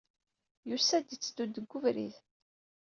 Yusa-d, yetteddu-d deg webrid.